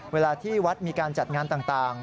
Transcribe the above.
เวลาที่วัดมีการจัดงานต่าง